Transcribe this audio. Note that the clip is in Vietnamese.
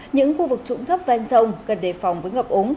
những khu vực trũng thấp ven sông cần đề phòng với ngập ống